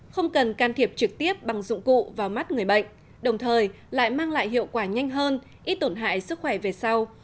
không cần can thiệp trực tiếp bằng dụng cụ vào mắt người bệnh đồng thời lại mang lại hiệu quả nhanh hơn ít tổn hại sức khỏe về sau